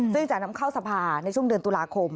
ซึ่งจะนำเข้าสภาในช่วงเดือนตุลาคม